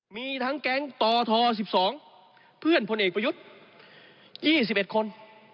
มีทั้งแก๊งตท๑๒เพื่อนพลเอกประยุทธ์๒๑คน